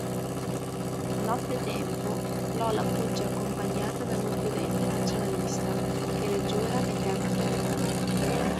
Nottetempo, Lola fugge accompagnata da uno studente nazionalista, che le giura eterna fedeltà.